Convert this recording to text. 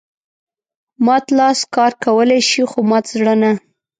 مات لاس کار کولای شي خو مات زړه نه.